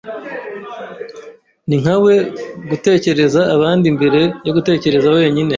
Ni nka we gutekereza abandi mbere yo gutekereza wenyine.